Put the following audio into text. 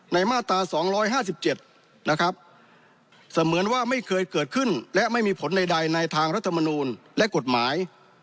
ในมาตราสองร้อยห้าสิบเจ็ดนะครับเสมือนว่าไม่เคยเกิดขึ้นและไม่มีผลใดใดในทางรัฐมนูลและกฎหมาย